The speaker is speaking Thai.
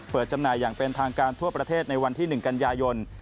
จำหน่ายอย่างเป็นทางการทั่วประเทศในวันที่๑กันยายน